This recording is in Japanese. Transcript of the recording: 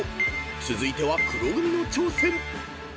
［続いては黒組の挑戦］